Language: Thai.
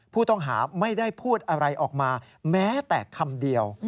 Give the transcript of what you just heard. ผู้ต้องหาไม่ได้พูดอะไรออกมาแม้แต่คำเดียว